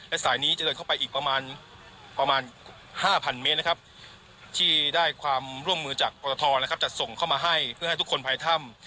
และสายนี้จะเดินเข้าไปอีกประมาณ๕๐๐เมตรนะครับที่ได้ความร่วมมือจากกรทจะส่งเข้ามาให้เพื่อให้ทุกคนภายถ้ำ